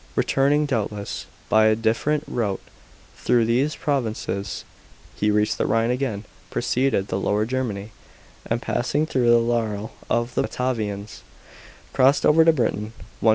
Return ing, doubtless by a different route, through these provinces, he reached the Rhine again, proceeded to Lower Germany, and passing throush the lanrl of the Batavians, crossed over to Britain (122 A.